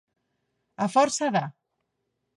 A força de.